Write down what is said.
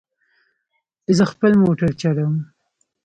زه خپل موټر چلوم